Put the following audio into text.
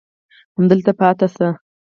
همدلته پاتې سئ.